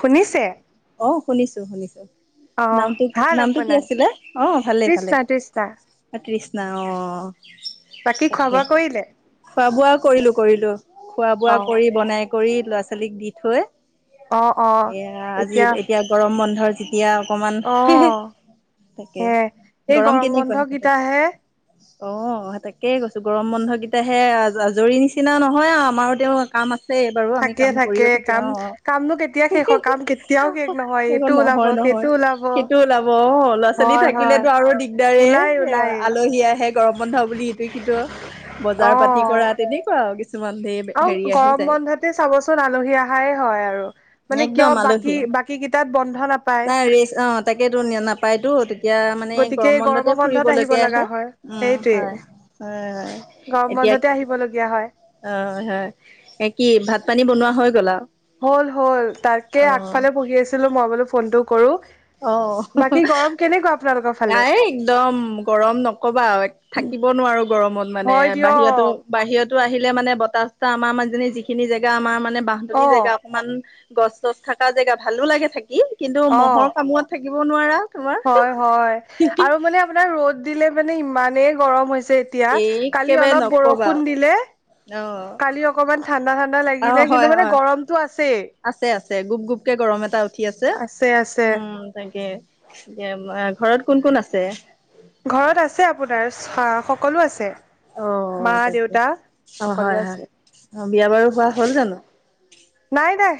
শুনিছে? অ' শুনিছো শুনিছো, অ নামটো নামটো কি আছিলে? অঁ' ভালে। ত্ৰিশটা ত্ৰিশটা। কৃষ্ণা অঁ বাকী খোৱা তাকে। বোৱা কৰিলে খোৱা বোৱা কৰিলো কৰিলো, খোৱা বোৱা অ কৰি বনাই- কৰি ল'ৰা ছোৱালীক দি থৈ, অ অ এয়া আজি এতিয়া এয়া গৰম বন্ধৰ যি- এতিয়া অকমান অ তাকে সে এই গৰম বন্ধ কেনেকুৱা তাতে? কেইটাহে অঁ' সে তাকে কৈছো গৰম বন্ধ গিটাহে, আজৰি নিচিনা নহয় আও আমাৰো তেওঁ কাম আ- ছে এইবাৰু আমি থাকে কাম কৰিয়ে থাকে কাম অঁ'। কামনো কেতিয়া শেষ হয় কাম কেতিয়াও শেষ নহয় এইটো সেইখন ওলাব নহয় সেইটো নহয়, ওলাব সেইটো ওলাব অঁ' ল'ৰা ছোৱালী হয় হয় থাকিলেতো আৰু- দিগদাৰে এ ওলাই ওলাই আলহী আহে গৰম বন্ধ বুলি ইটো সিটো বজাৰ পাতি কৰা- তেনেকুৱা আৰু কিছুমান দে। অঁ' গৰম বন্ধতে চাবচোন আলহী অহাই হয় আৰু। মানে কিয় একদম বাকী বাকী কেইটাত বন্ধ নাপায়। আৰিচ অঁ'। তাকেতো নিয় নাপায়তো। এতিয়া মানে গতিকে এই গৰম গৰমৰ বন্ধতে বন্ধত আহিব ফুৰিবলৈকে লগা আহে। হয় উম' সেইটোৱে হয় হয় হয়। গৰম এতিয়া বন্ধতে আহিবলগীয়া হয়। অ' হয়, এ, কি ভাত পানী বনোৱা হৈ গ'ল আৰু। হ'ল হ'ল তাকে আগফালে পঢ়ি আছিলোঁ মই বোলো ফোনটো কৰোঁ। বাকী গৰম কেনেকুৱা? আপোনালোকৰ ফালে? এই একদম গৰম নক'বা, থাকিব নোৱাৰো গৰমত। মানে হয় বাহিৰতো দিয়ক বাহিৰতো আহিলে মানে বতাহ চতাহ আমাৰ মানজনী যিখিনি জেগা আমাৰ মানে বাহতলী জেগা অ' অকমান গছ তছ থকা জেগা ভালো লাগে থাকি কিন্তু অ' মহৰ কামোৰত থাকিব নোৱাৰা। তোমাৰ হয়, হয়, আৰু মানে আপোনাৰ ৰ'দ দিলে মানে ইমানেই গৰম হৈছে এতিয়া এই কালি একেবাৰে অলপ নকবা বৰষুণ দিলে। অ'। কালি অকণমান ঠাণ্ডা ঠাণ্ডা অ লাগিলে কিন্তু হয় মানে হয় গৰমটো আছেই। আছে আছে গুপ গুপকে গৰম এটা উঠি আছে উম, তাকে। [unintelligible] ঘৰত কোন কোন আছে? ঘৰত আছে আপোনাৰ চ-সকলো আছে। মা অ' তাকে দেউতা অ' সকলো হয়, হয় আছে। অ' বিয়া বাৰু হোৱা হ'ল জানো। নাই নাই।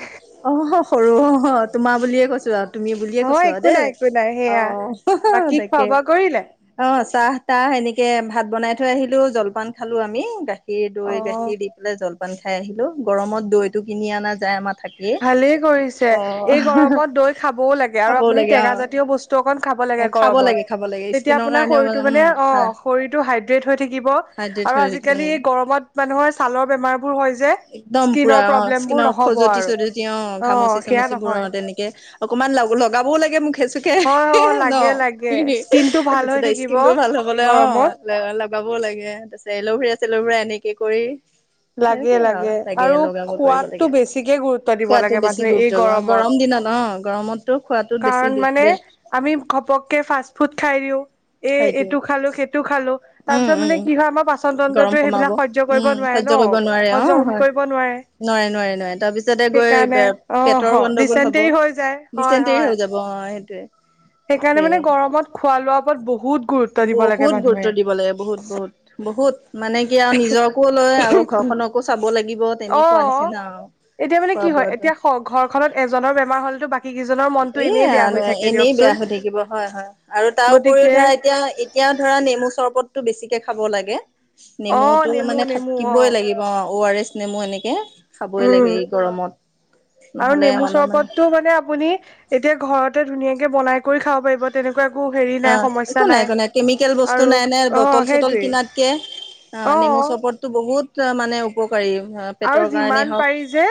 অহ, সৰু অ' তোমাৰ বুলিয়ে কৈছোঁ আৰু। তুমি বুলিয়ে অ কৈছোঁ আৰু একো নাই দেই, একো নাই সেয়া অ' বাকী খোৱা তাকে। বোৱা কৰিলে অ' চাহ তাহ এনেকে ভাত বনাই থৈ আহিলোঁ জলপান খালোঁ আমি গা গাখীৰ অ দৈ গাখীৰ দি পেলাই জলপান খাই আহিলোঁ, গৰমত দৈতো কিনি অনা যায় আমাৰ। থাকেই। ভালেই কৰিছে অ এই গৰমত দৈ খাবও লাগে আৰু খাবও আপুনি লাগে অ টেঙা জাতীয় বচ [inaudible] অকমান খাব লাগে খাব গৰমত, লাগে খাব লাগে তেতিয়া স্কিনৰ আপোনাৰ কাৰণেও শৰীৰটো উম মানে হয় অ' শৰীৰটো হাইড্ৰেত হৈ থাকিব। হাইড্ৰেট আৰু হৈ থাকিব আজিকালি উম। এই গৰমত মানুহৰ ছালৰ বেমাৰ বোৰ হয় যে। একদম পুৰা স্কিনৰ অ' প্ৰব্লেমবোৰ স্কিনৰ নহ'ব খজুৱতি আৰু চজতি [inaudible] অ' খামুচি সেয়া চামুচিবোৰ নহয় অ' তেনেকে অকনমান লগ-লগাবও লাগে মুখে চু হয় অ [inaudible] ন' লাগে লাগে স্কিনটো ভাল হৈ তাৰপিছতে থাকিব স্কিনটো ভাল এই হ'বলৈ গৰমত অ'। ল-লগাবও লাগে, তাৰপিছত এলভেৰা চেলভৰা এনেকে কৰি। লাগে লাগে আৰু খোৱাতটো বেছিকে গুৰুত খোৱাটো বেছি গুৰুত্ব, গৰম দিনত ন' গৰমতো খোৱাতো বেছি কাৰণ মানে [unintelligible] আমি ঘপককে ফাষ্ট ফুড খাই দিওঁ, এ, হেৰিটো এইটো খালোঁ সেইটো খালোঁ। তাৰ উম পিছত উম মানে কি হয় আমাৰ পাচন গৰম তন্ত্ৰটোয়ে কমাব সেইবিলাক সহ্য কৰিব উম নোৱাৰে। ন সহ্য কৰিব নোৱাৰে অ' হজম হয়। কৰিব নোৱাৰে নোৱাৰে নোৱাৰে নোৱাৰে তাৰপিছতে গৈ সেইকাৰণে অ পেটৰ গণ্ডগোল হ'ব, ডিচেণ্টেৰি হৈ যায় হয় ডিচেণ্টৰি হয় হৈ যাব। অ' সেইটোৱে। সেইকাৰণে তাকে মানে গৰমত খোৱা লোৱাৰ ওপৰত বহুত গুৰুত্ব দিব লাগে বহুত মানুহে গুৰুত্ব দিব লাগে বহুত বহুত, বহুত। মানে কি আৰু নিজকো লয় আৰু ঘৰখনকো চাব লাগিব অ তেনেকুৱা নিচিনা আৰু। এতিয়া মানে খোৱা কি হয় বোৱাটো। এতিয়া স-ঘৰখনত এজনৰ বেমাৰ হ'লেতো বাকী কেইজনৰ মনটো এ, এনেই বেয়া হৈ থাকে এনেই দিয়কচোন বেয়া হৈ থাকিব হয় হয়, আৰু তাৰ উপৰিও গতিকে ধৰা এতিয়া এতিয়া ধৰা নেমু চৰবতটো বেছিকে খাব লাগে। অ নেমুটো নেমু মানে নেমু অ থাকিবই লাগিব অ' আৰ এছ নেমু এনেকে। খাবই উম লাগে এই গৰমত, নহ'লে মানুহ মানে অ' মানে আপুনি এতিয়া ঘৰতে ধুনীয়াকে বনাই কৰি খাব পাৰিব। তেনেকুৱা একো হেৰি নাই অ' সমস্যা একো নাই একো নাই কেমিকেল বস্তু আৰু নাই নে অ বটল চটল সেইটোৱেই কিনাতকে। অ' নেমু চৰবতটো বহুত মানে উপকাৰী। পেটৰ আৰু কাৰণেই যিমান হওক পাৰি যে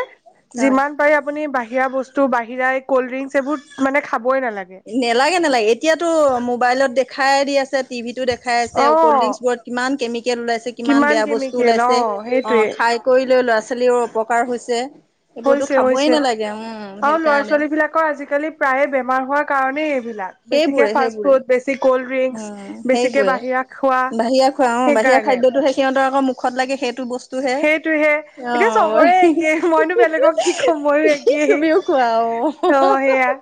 হয়। যিমান পাৰি আপুনি বাহিৰা বস্তু বাহিৰা এই ক'ল্ড ড্ৰিংকচ এইবোৰ মানে খাবই নালাগে। নেলাগে নালাগে এতিয়াতো মোবাইলত দেখাই দি আছে টিভিতো দেখ খাই আছে, অ কল্ড ড্ৰিংকছ বোৰত কিমান কেমিকেল ওলাইছে কিমান বেয়া বস্তু কেমিকেল অ ওলাইছে। অ সেইটোৱে খাই কৰিলেও ল'ৰা-ছোৱালী অপকাৰ হৈছে, এইবোৰতো হৈছে খাবই নালাগে উম সেই কাৰণে। কৰ আজিকালি প্ৰায়ে বেমাৰ হোৱাৰ কাৰণেই এইবিলাক। বেছিকে সেইবোৰে ফাষ্ট সেইবোৰে। ফুড বেছি কলড্ৰিংক উম, সেইবোৰে বাহিৰা খোৱা অ বাহিৰা সেইকাৰণে খাদ্যতো সেই সিহঁতৰ আকৌ মুখ খত লাগি সেইটো বস্ সেইটোহে এতিয়া চবৰে একে মইনো বেলেগক কি ক'ম, ময়ো কি একেই। তুমিও খোৱা অ' সেয়া,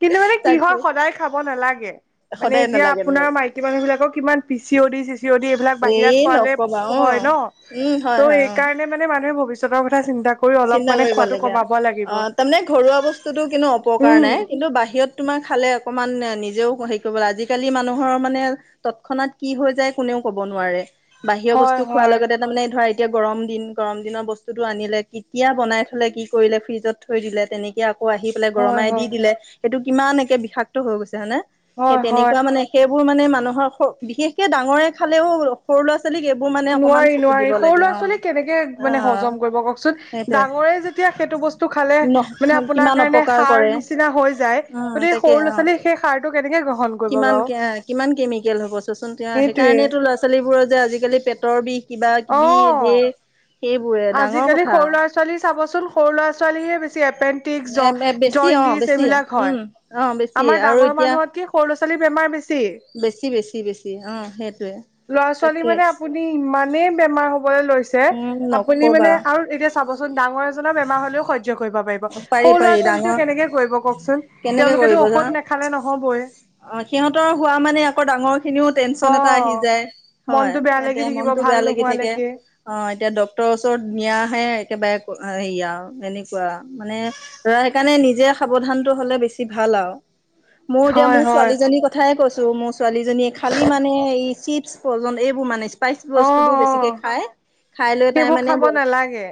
কিন্তু মানে কি তাকে হয় সদায় খাব নালাগে। মানে সদায় এতিয়া নালাগে আপোনাৰ নালাগে। মাইকী মানুহ বিলাকক কিমান পিচি অ দি চিচি অ দি এইবিলাক বাহিৰা এই খোৱালে নকবা হয় অ' ন। উম, হয় হয়। অ'। সেইকাৰণে মানে মানুহে ভৱিষ্যতৰ কথা চিন্তা ক চিন্তা কৰিব লাগে, অ' তাৰমানে ঘৰুৱা বস্তুতো কিন্তু অপকাৰ উম নাই। কিন্তু বাহিৰত তোমাৰ খালে অকমান নিজেও হেৰি কৰিব লাগে আজিকালি মানুহৰ মানে তৎক্ষণাত কি হৈ যায় কোনেও কব নোৱাৰে। বাহিৰৰ হয় বস্তু খোৱাৰ হয় লগতে তাৰমানে ধৰা এতিয়া গৰম দিন গৰম দিনৰ বস্তুটো আনিলে। কেতিয়া বনাই থলে, কি কৰিলে ফ্ৰিজত থৈ দিলে তেনেকে আকৌ আহি পেলাই হয় গৰমাই দি হয় দিলে। সেইটো কিমান একে বিষাক্ত হৈ গৈছে হয়নে, সেই হয় হয় তেনেকুৱা মানে সেইবোৰ মানে মানুহৰ বিশেষকে ডাঙৰে খালেও সৰু ল'ৰা ছোৱালীক এইবোৰ মান নোৱাৰি নোৱাৰি, সৰু ল'ৰা-ছোৱালী কেনেকে অ মানে হজম কৰিব কওকচোন। সেইটোৱে। ডাঙৰেই যেতিয়া সেইটো বস্তু খালে ন মানে আপোনাৰ কিমান কাৰণে অপকাৰ কৰে সাৰ নিচিনা হৈ যায়। উম, গতিকে তাকে সৰু ল'ৰা অ' ছোৱালীয়ে সেই সাৰটো কেনেকে গ্ৰহণ কৰিব কিমান বাৰু কিমান কেমিকেল হ'ব চোৱাচোন সেইটোৱে সেইকাৰণেটো। সৰু ল'ৰা-ছোৱালীবোৰৰ যে আজিকালি পেটৰ বিষ অ কিবা-কিবি ধেৰ সেইবোৰে ডাঙৰ ক আজিকালি সৰু ল'ৰা-ছোৱালী চাবচোন সৰু ল'ৰা-ছোৱালীহে বেছি এপেণ ন্তিছ, জন এ বেছি অ জণ্ডিচ বেছি এইবিলাক হয়। উম অ বেছি আমাৰ আৰু ডাঙৰ এতিয়া মানুহতকে সৰু লৰা-ছোৱালীৰ বেমাৰ বেছি। বেছি বেছি বেছি, অ' সেইটোৱে। ল'ৰা-ছোৱালী তাকে মানে আপুনি ইমানেই বেমাৰ হবলে লৈছে। উম আপুনি মানে নকবা আৰু এতিয়া চাবচোন ডাঙৰ এজনৰ বেমাৰ হলেও স স্য কৰিব পাৰিব, পাৰি সৰু পাৰি ল'ৰা-ছোৱালীটো ডাঙৰ কেনেকে কৰিব কওকচোন। কেনেকে তেওঁলোকেতো কৰিব ঔষধ জানা নেখালে নহবই। অ' সিহঁতৰ হোৱা মানে আকৌ ডাঙৰ খিনিও অ টেনচন এটা আহি যায় হয়। মনটো বেয়া লাগি থাকিব মনটো ভাল বেয়া লাগি থাকে। নোহোৱালৈকে অ' এতিয়া ডক্তৰৰ ওচৰত নিয়াহে একেবাৰে হেৰি আৰু এনেকুৱা মানে সেইকাৰণে নিজে সাৱধান টো হলে বেছি ভাল আও, মোৰ এতিয়া হয় মোৰ হয় ছোৱালীজনী কথাই কৈছোঁ। মোৰ ছোৱালীজনীয়ে খালী মানে এই চিপছ, প্ৰজন এইবোৰ মানে। স্পাইচ অ বস্তুবোৰ অ বেছিকে খায়, খাই লৈ তাই সেইবোৰ মানে খাব উম, নালাগে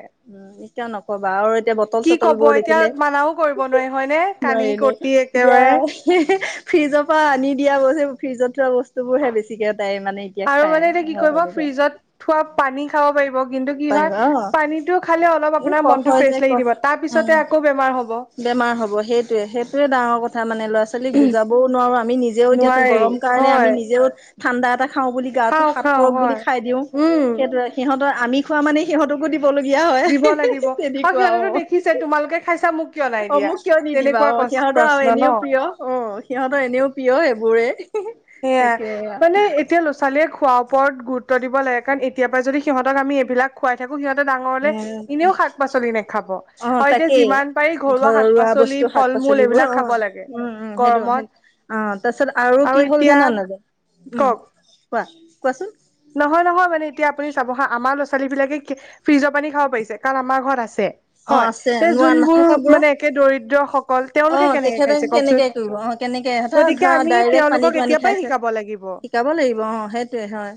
এতিয়াও নকবা আৰু এতিয়া কি বটল-চটল কব বোৰ এতিয়া দেখিলে মানাও কৰিব নোৱাৰি হয়নে কানি নোৱাৰে এনে কটি একেবাৰে এতিয়া ফ্ৰিজৰ পৰা আনি দিয়া বস্তু ফ্ৰিজত থোৱা বস্তু বোৰ হ বেছিকে তাই মানে এতিয়া আৰু খাই মানে এতিয়া কি কৰিব? তেনেকে ফ্ৰিজত থোৱা পানী খাব পাৰিব কিন্তু কি পাৰিব হয় অ পানীটো খালে অলপ এই আপোনাৰ কফ মনটো হয় যে ফ্ৰেচ লাগি কফ দিব তাৰ উম পিছতে আকৌ বেমাৰ হব। বেমাৰ হব সেইটোৱে সেইটোৱে ডাঙৰ কথা মানে ল'ৰা ছ ছোৱালীক বুজাবও নোৱাৰো আমি নিজেও এতিয়া নোৱাৰি গৰম কাৰণে আমি হয় নিজেও ঠাণ্ডা এটা খাওঁ বুলি গাটো খাওঁ সাত খাওঁ পৰক বুলি হয়। খাই দিওঁ উম সেইটোৱে সিহঁতৰ আমি খোৱা মানে সিহঁতকো দিবলগীয়া হয় দিব হিহিহি লাগিব তেদি আৰু কোৱা অ হ সিহঁতেতো দেখিছে হুহু। তোমালোকে খাইছা মোক কিয় নাই অ দিয়া। মোক কিয় নিদিবা তেনেকুৱা অ সিহঁতৰ আৰু প্ৰশ্ন এনেও ন। প্ৰিয় অ সিহঁতৰ এনেও প্ৰিয় এইবোৰে। সেয়া মানে এতিয়া লছ ছোৱালীয়ে খোৱাৰ ওপৰত গুৰুত্ব দিব লাগে কাৰণ এতিয়াৰ পৰাই যদি সিহঁতক আমি এইবিলাক খুৱাই থাকো সিহঁতে ডাঙৰ হলে এনেও শাক - পাচলি নেখাব অ', আৰু এতিয়া তাকেই। যিমান পাৰি ঘৰুৱা ঘৰৰ শাক - ৰোৱা পাচলি বস্তু শাক ফল - মূল পাচলিবোৰ এইবিলাক অ খাব লাগে উম উম সেইটো সেই গৰমত অ তাৰপিছত আৰু কি হ'ল জানা নাযায়, উম কওক কোৱা কোৱাচোন? নহয় নহয় মানে এতিয়া আপুনি চাব হা আমাৰ ল'ৰা - ছোঁৱালীবিলাকে কে ফ্ৰিজৰ পানী খাব পাৰিছে কাৰণ আমাৰ ঘৰত আছে। অ', হয়, আছে তে নোৱা যোনবোৰ নাথাকাবোৰৰ মানে একে দৰিদ্ৰ স অ তেখেতে কেনেকে কৰিব অহ কেনেকে সিহঁতৰ গতিকে ধৰা আমি ডাইৰেক্ট তেওঁলোকক পানীটো আনি এতিয়াৰ পৰাই খাইছে। শি শিকাব লাগিব শিকাব লাগিব অ সেইটোয়ে হয়।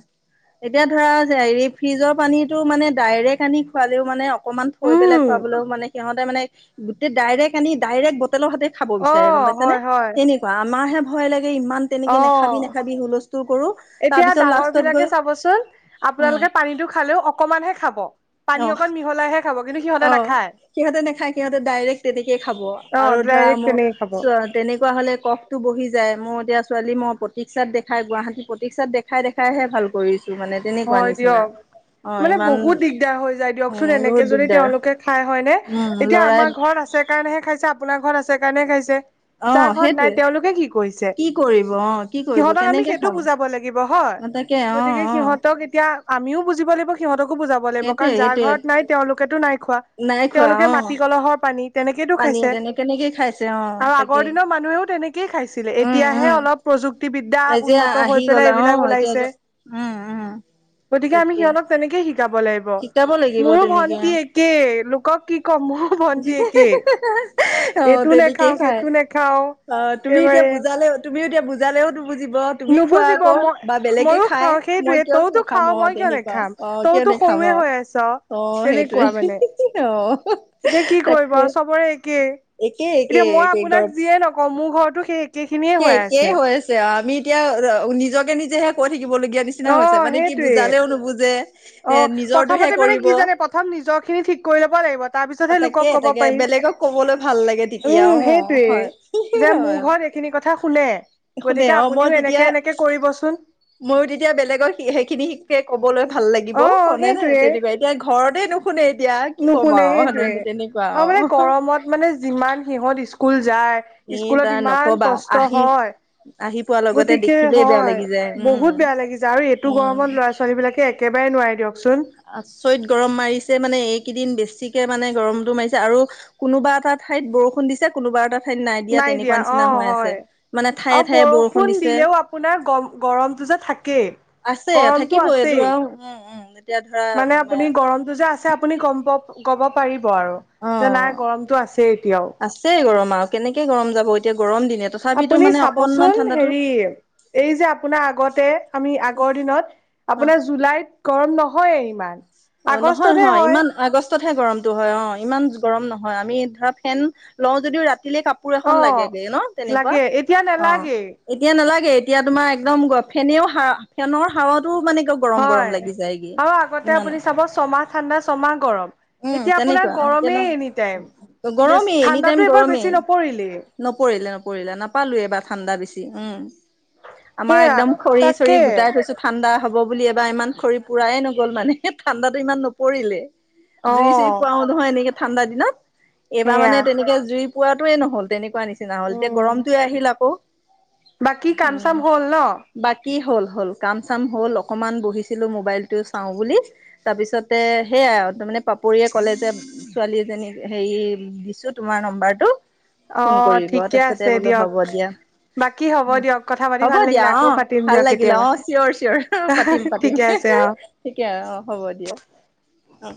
এতিয়া ধৰা হেৰি ফ্ৰিজৰ পানীটো মানে ডাইৰেক্ট আনি খুৱালেও মানে অ কণমান থৈ পেলাই উম খুৱাবলৈও মানে সিহঁতে মানে গোটেই ডাইৰেক্ট আনি ডাইৰেক বটলৰ হাতে খাব অ বিচাৰে গম পাইছা হয় নে? হয় তেনেকুৱা আমাৰ হে ভয় লাগে ইমান তেনেকে অ, নাখাবি নাখাবি হুলস্থুল কৰো। এতিয়া তাৰপিছত লাষ্টত ডাঙৰবিলাকে গৈ চাবচোন উম আপোনালোকে পানীটো খালেও অ কমানহে খাব, পানী অ অকণ মিহলাইহে খাব কিন্তু সিহঁতে অ, নাখায় সিহঁতে নাখায়, সিহঁতে ডাইৰেক্ট তেনেকেই খাব অ আৰু ধৰা ডাইৰেক্ট মোৰ তেনেকে খাব চ তেনেকুৱা হ'লে কফটো বহি যায়, মোৰ এতিয়া ছোৱালী মই প্ৰতীক্ষাত দেখাই গুৱাহাটী প্ৰতীক্ষাত দেখ খাই দেখাইহে ভাল কৰিছোঁ মানে। তেনেকুৱা হয় নিচিনা দিয়ক অ মানে ইমান বহুত দিগদাৰ হৈ যায় দিয়কচোন উম এনেকে বহুত যদি দিগদাৰ তেওঁলোকে খাই হয় নে উম এতিয়া লৰাই আমাৰ ঘৰত আছে কাৰণেহে খাইছে, আপোনাৰ ঘৰত আছে কাৰণেহে খাইছে। অ যাৰ ঘৰত নাই সেইটোৱে তেওঁলোকে কি কৰিছে? কি কৰিব অ কি কৰিব সিহঁতক আমি সেইটো বুজাব লাগিব হয়। কে অ অ। ক এতিয়া আমিও বুজিব লাগিব সিহতকো বুজাব লাগিব সেইটোৱে কাৰণ যাৰ সেইটোৱে ঘৰত নাই তেওঁলোকেতো নাই খোৱা। নাই খোৱা তেওঁলোকে অ মাটি কলহৰ পানীত তেনেকেইটো পানী খাইছে তেনে কেনেকে খাইছে অ আৰু তাকে আগৰ দিনৰ মানুহেও তেনেকেই খাইছিলে উম এতিয়াহে উম অলপ প্ৰযুক্তিবিদ্যা এতিয়া উন্নত আহি হৈ গ'লা পেলাই অ এইবিলাক ওলাইছে। এতিয়া উম উম। গতিকে আমি তাকে সিহতক তেনেক শিকাব লাগি ব, শিকাব লাগিব মোৰো তেনেকে অ ভণ্টি একে লোকক কি কম মোৰো ভণ্টি একে। অ এইটো তেনেকেই নেখাওঁ খাই সেইটো নেখাও অ তুমি এতিয়া একেবাৰে। বুজালে তুমিও এতিয়া বুজালেও নুবুজিব। তুমি খোৱা নুবুজিব আকৌ মই বা বেলেগে ময়ো খাই, খাওঁ মই সেইটোৱে কিয় তইতো নাখাম খাওঁ অ মই কিয় তেনেকুৱা নেখাম অ কিয় তইতো নেখা অ, সৰুৱে হৈ আছ অ সেইটোৱে তেনেকুৱা মানে অ। এতিয়া কি কৰিব তাকে চবৰে একেই একে একে এতিয়া মই একে আপোনাক গৰম যিয়ে নকওঁ মোৰ ঘৰটো সেই একে খিনিয়ে সেই হৈ একেই হৈ আছে, আমি এতিয়া অ নিজকে নিজেহে কৈ থাকিবলগীয়া নি চিনা অ হৈছে মানে কি সেইটোৱে বুজালেও নুবুজে অ এ নিজৰটোহে প্ৰথমতে মানে কৰিব। কি জানে প্ৰথম নিজৰ খিনি ঠিক কৰি ল'ব লাগিব তাৰ অ পিছতহে লোকক তাকে কব তাকে, পাৰিম বেলেগক কবলৈ ভাল লাগে তেতিয়া উম অ সেইটোয়ে হয়। যে মোৰ হয় ঘৰত এইখিনি কথা শুনে শুনে গতিকে অ মই আপুনিও তেতিয়া এনেকে এনেকে কৰিবচোন। ময়ো তেতিয়া বেলেগৰ সে সেইখিনি শিকে কবলৈ ভাল লাগিব অ মানে নে সেইটোৱে তেনেকুৱাই এতিয়া ঘৰতে নুশুনে এতিয়া কি কম নুশুনে আও সেনে সেইটোৱে তেনেকুৱা আৰু মানে আও গৰমত মানে যিমান সিহঁত স্কুল যায় এ স্কুলত তাৰ ইমান নকবা কষ্ট আহি হয় আহি পোৱা গতিকে হয় বহুত বেয়া লাগি যাই আৰু এইটো উম গৰমত ল'ৰা ছোৱালী বিলাকে একেবাৰে নোৱাৰে দিয়কচোন আচৰিত গৰম মাৰিছে মানে এইকেইদিন বেছিকে মানে গৰমটো মাৰিছে আৰু কোনোবা এটা ঠাইত বৰষুণ দিছে কোনোবা এটা ঠাইত নাই দিয়া তেনেকুৱা নিচিনা হৈ আছে মানে ঠায়ে আৰু ঠায়ে বৰষুণ দিছে দিলেও আপোনাৰ গম গৰমটো যে থাকেই আছে গৰমটো থাকিব এইটো আছেই আও উম উম এতিয়া ধৰা মানে আপুনি গৰমটো যে আছে আপুনি গম কব পাৰিব আৰু অ যে নাই গৰমটো আছে এতিয়াও আছেই গৰম আৰু কেনেকে গৰম যাব এতিয়া গৰম দিনত আপুনি চাবচোন হেৰি এই যে আপোনাৰ আগতে আমি আগৰ দিনত অ আপোনাৰ জুলাইত গৰম নহয় ইমান অ নহয় আগষ্টতহে নহয় হয় ইমান আগষ্ট তহে গৰমটো হয় অ ইমান গৰম নহয় আমি ধৰ ফেন লও যদিও ৰাতিলে কাপো কাপোৰ এখন অ লাগে গে ন তেনেকুৱা লাগে এতিয়া অ নালাগেই এতিয়া নালাগে এতিয়া তোমাৰ একদম ফেনেও হা ফেনৰ হাৱাতো মানে গৰম গৰম হয় লাগি যায়গে। আৰু আগতে ইমান আপুনি চাব ছমাহ ঠাণ্ডা ছমাহ গৰম উম এতিয়া আপোনাৰ তেনেকুৱা এতিয়া ন গৰমেই এনি টাইম বেছ গৰমেই এনি টাইম ঠাণ্ডাটো এইবাৰ গৰমেই। বেছি নপৰিলেই নপৰিলে নপৰিলে নাপালোৱে ঠাণ্ডা বেছি উম আমাৰ সেয়া একদম খৰি চৰি তাকে গোটাই থৈছো ঠাণ্ডা হ'ব বুলি এবাৰ ইমান খৰি পুৰাই নগ'ল মানে ঠাণ্ডাটো ইমান নপৰিলে। অ জুই চুই ফুৱাও নহয় এনেকে ঠাণ্ডা দিনত এইবাৰ সেয়া মানে তেনেকে জুই পোৱাটোৱে নহল তেনেকুৱা নিচিনা। নিচিনা হ'ল এতিয়া উম গৰমটোৱে আহিল আকৌ বাকী কাম উম চাম হ'ল ন বাকী হ'ল হ'ল কাম চাম হ'ল অকণমান বহিছিলোঁ মোবাইলটো চাওঁ বুলি তাৰপিছতে সেইয়াই তাৰমানে পাপৰিয়ে ক'লে যে ছোৱালী এজনীক হেৰি দিছো তোমাৰ নাম্বাৰটো অ ঠিকে আছে দিয়ক দিয়া। বাকী হ'ব দিয়ক কথা পাতি হ'ব ভাল দিয়া লাগিলে অ আকৌ পাতিম ভাল দিয়ক লাগিলে কেতিয়াবা অ চিয়ৰ চিয়ৰ হা হা পাতিম পাতিম ঠিকে আছে [unintelligible] ঠিকে আও অ হ'ব দিয়ক অ